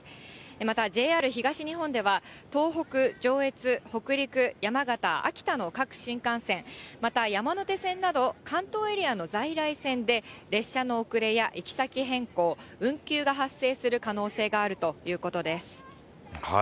またＪＲ東日本では、東北、上越、北陸、山形、秋田の各新幹線、また山手線など、関東エリアの在来線で、列車の遅れや行き先変更、運休が発生する可能性があるということです。